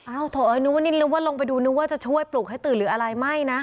โถเอ้ยนึกว่านี่นึกว่าลงไปดูนึกว่าจะช่วยปลุกให้ตื่นหรืออะไรไม่นะ